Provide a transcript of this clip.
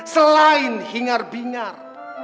selain hingar bingar